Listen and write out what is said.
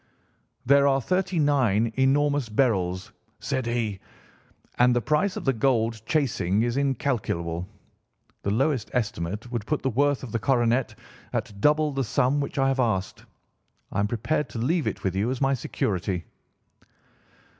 'There are thirty nine enormous beryls,' said he, 'and the price of the gold chasing is incalculable. The lowest estimate would put the worth of the coronet at double the sum which I have asked. I am prepared to leave it with you as my security.